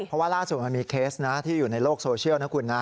เพราะว่าล่าสุดมันมีเคสนะที่อยู่ในโลกโซเชียลนะคุณนะ